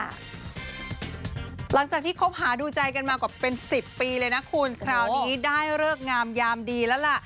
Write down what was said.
หลังจากที่คบหาดูใจกันมากว่าเป็น๑๐ปีเลยนะคุณคราวนี้ได้เลิกงามยามดีแล้วล่ะ